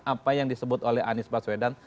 apa yang disebut oleh anies baswedan